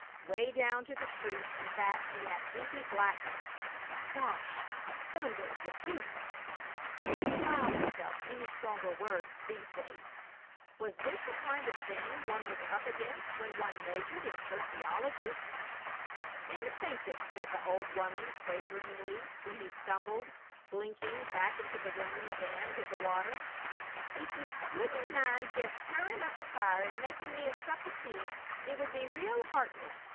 Way down to the street and back in that inky blackness! "Gosh! Thunder! The deuce!" (He didn't allow himself any stronger words these days.) Was this the kind of thing one was up against when one majored in sociology? "I be'n thinkin'," said the old lady, quaveringly, when he stumbled, blinking, back into the room again with the water, "ef you wouldn't mind jest stirrin' up the fire an' makin' me a sup o' tea it would be real heartenin'.